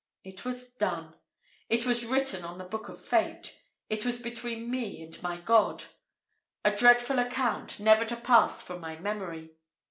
It was done! It was written on the book of fate! It was between me and my God, a dreadful account, never to pass from my memory.